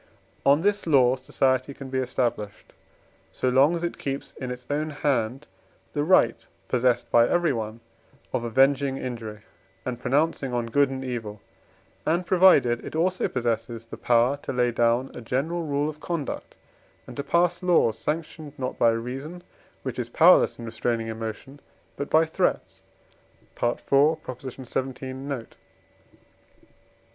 On this law society can be established, so long as it keeps in its own hand the right, possessed by everyone, of avenging injury, and pronouncing on good and evil; and provided it also possesses the power to lay down a general rule of conduct, and to pass laws sanctioned, not by reason, which is powerless in restraining emotion, but by threats (IV. xvii. note).